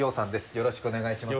よろしくお願いします